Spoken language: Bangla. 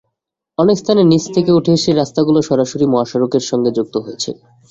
অনেক স্থানে নিচ থেকে উঠে এসে রাস্তাগুলো সরাসরি মহাসড়কের সঙ্গে যুক্ত হয়েছে।